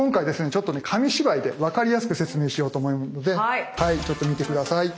ちょっとね紙芝居でわかりやすく説明しようと思うのでちょっと見て下さい。